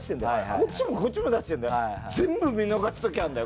こっちもこっちも出してんだよ。